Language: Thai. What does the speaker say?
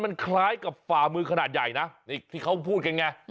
มันคล้ายกับฝ่ามือขนาดใหญ่นะนี่ที่เขาพูดกันไง